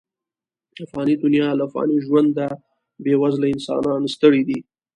د فاني دنیا له فاني ژونده، بې وزله انسانان ستړي دي.